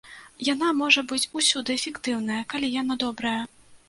Яна можа быць усюды эфектыўная, калі яна добрая.